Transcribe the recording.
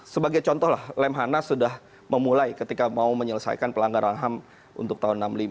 sebagai contoh lah lemhanas sudah memulai ketika mau menyelesaikan pelanggaran ham untuk tahun seribu sembilan ratus enam puluh lima